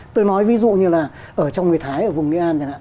tôi nói ví dụ như là ở trong người thái ở vùng nghệ an